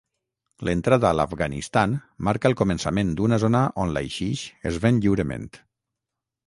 L'entrada a l'Afganistan marca el començament d'una zona on l'haixix es ven lliurement.